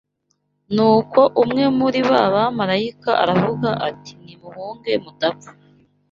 Nuko umwe muri ba bamarayika aravuga ati nimuhunge mudapfa